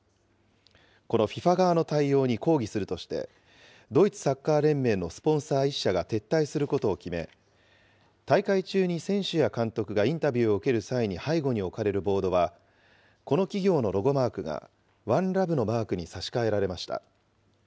このＦＩＦＡ側の対応に抗議するとして、ドイツサッカー連盟のスポンサー１社が撤退することを決め、大会中に選手や監督がインタビューを受ける際に背後に置かれるボードは、この企業のロゴマークがＯＮＥＬＯＶＥのマークに差し替えられました。